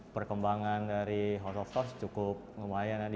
perkembangan dari house of house cukup lumayan